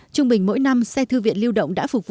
trung bình mỗi năm xe thư viện lưu động đã phục vụ